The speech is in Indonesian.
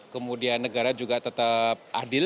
kemudian negara juga tetap adil